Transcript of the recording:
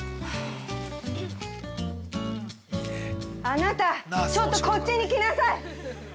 ◆あなた、ちょっとこっちに来なさい！！！！